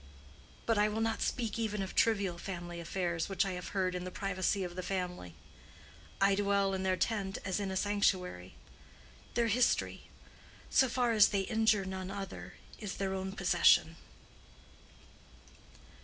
But I will not speak even of trivial family affairs which I have heard in the privacy of the family. I dwell in their tent as in a sanctuary. Their history, so far as they injure none other, is their own possession."